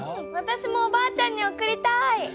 わたしもおばあちゃんにおくりたい！